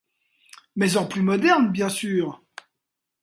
Mais en plus moderne, bien sûr!